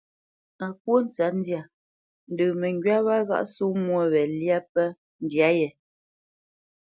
Pó kwó ntsə̌tndyâ, ndə məŋgywá wâ ghâʼ só mwô wě lyá pə́ ndyâ yē.